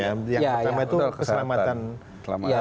yang pertama itu keselamatan